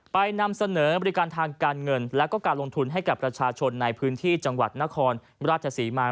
นำเสนอบริการทางการเงินแล้วก็การลงทุนให้กับประชาชนในพื้นที่จังหวัดนครราชศรีมา